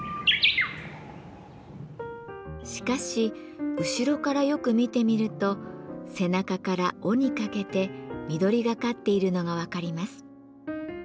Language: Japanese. しかし後ろからよく見てみると背中から尾にかけて緑がかっているのが分かります。